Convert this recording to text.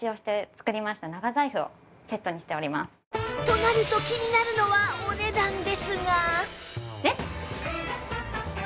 となると気になるのはお値段ですが